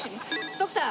徳さん